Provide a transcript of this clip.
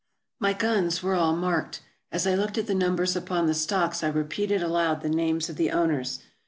My guns were all marked. As I looked at the num bers upon the stocks, I repeated aloud the names of the owners.